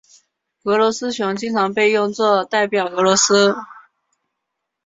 俄罗斯熊经常被用作代表俄罗斯。